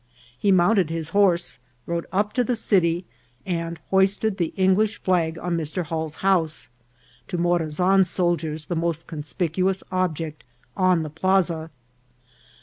He mounted his horse, rode up to the city, and hoisted the English flag on Mr. Hall's house, to Morazan's soldiers the most conspicuous object on the plaza.